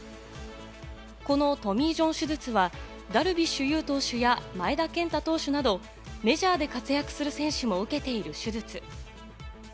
このトミー・ジョン手術はダルビッシュ有投手や前田健太投手など、メジャーで活躍する選手も受けている手術。